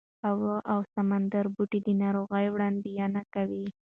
اوې او سمندري بوټي د ناروغۍ وړاندوینه کوي.